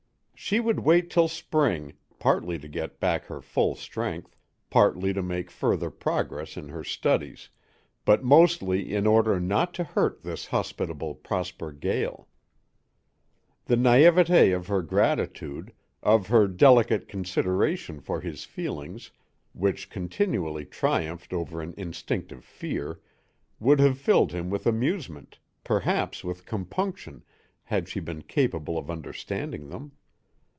She would wait till spring, partly to get back her full strength, partly to make further progress in her studies, but mostly in order not to hurt this hospitable Prosper Gael. The naïveté of her gratitude, of her delicate consideration for his feelings, which continually triumphed over an instinctive fear, would have filled him with amusement, perhaps with compunction, had he been capable of understanding them.